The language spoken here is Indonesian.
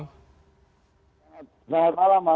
selamat malam mas